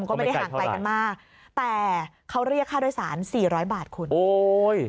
ก็ไม่ได้ห่างไกลกันมากแต่เขาเรียกค่าโดยสารสี่ร้อยบาทคุณโอ้ย